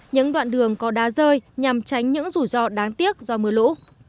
những đoạn đường có đá rơi nhằm tránh những rủi ro đáng tiếc do mưa lũ